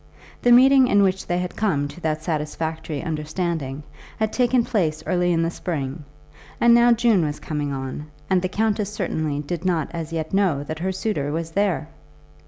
The meeting in which they had come to that satisfactory understanding had taken place early in the spring, and now June was coming on, and the countess certainly did not as yet know that her suitor was there!